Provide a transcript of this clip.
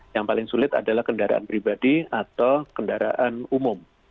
yang paling sulit adalah kendaraan pribadi atau kendaraan umum